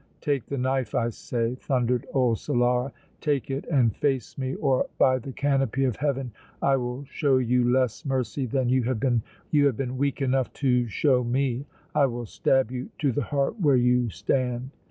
"Take the knife, I say!" thundered old Solara. "Take it and face me, or by the canopy of heaven I will show you less mercy than you have been weak enough to show me! I will stab you to the heart where you stand!"